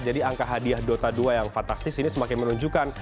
jadi angka hadiah dota dua yang fantastis ini semakin menunjukkan